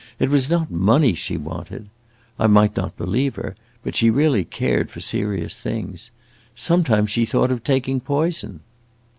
It was not money she wanted. I might not believe her, but she really cared for serious things. Sometimes she thought of taking poison!"